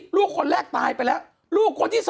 คุณหนุ่มกัญชัยได้เล่าใหญ่ใจความไปสักส่วนใหญ่แล้ว